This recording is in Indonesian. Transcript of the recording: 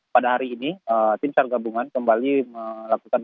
pada hari ini timstar gabungan kembali melakukan